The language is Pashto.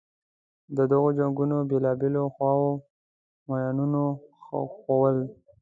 د دغو جنګونو بېلابېلو خواوو ماینونه ښخول.